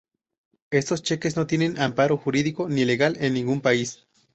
Estos cheques no tienen amparo jurídico ni legal en ningún país.